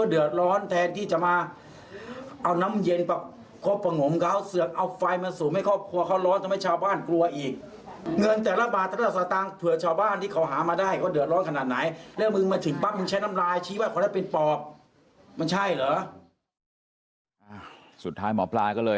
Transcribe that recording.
สุดท้ายหมอปลาก็เลยให้กับไม่คน